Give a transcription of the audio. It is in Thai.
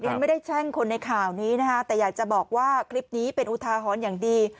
ฉันไม่ได้แช่งคนในข่าวนี้นะคะแต่อยากจะบอกว่าคลิปนี้เป็นอุทาหรณ์อย่างดี